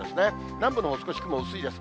南部のほう、少し雲が薄いです。